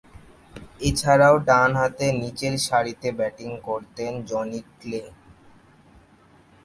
এছাড়াও, ডানহাতে নিচেরসারিতে ব্যাটিং করতেন জনি ক্লে।